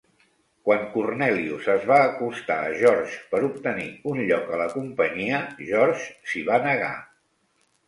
Quan Cornelius es va acostar a George per obtenir un lloc a la companyia, George s'hi va negar.